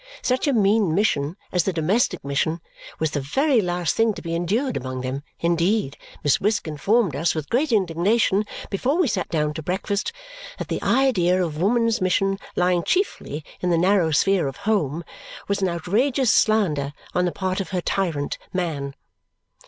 Such a mean mission as the domestic mission was the very last thing to be endured among them; indeed, Miss Wisk informed us, with great indignation, before we sat down to breakfast, that the idea of woman's mission lying chiefly in the narrow sphere of home was an outrageous slander on the part of her tyrant, man.